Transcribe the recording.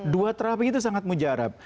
dua terapi itu sangat mujarab